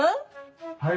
・はい。